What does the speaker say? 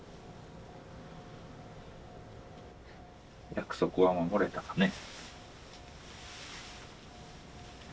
約束は守れたかね。